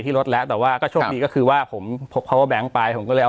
ที่รถแล้วแต่ว่าก็โชคดีก็คือว่าผมพกไปผมก็เลย